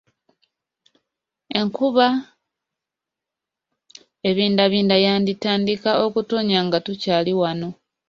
Enkuba ebindabinda yantandika okutonnya nga tukyali wano.